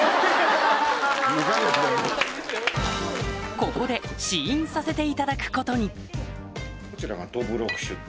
ここで試飲させていただくことにこちらが。